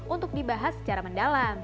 untuk dibahas secara mendapati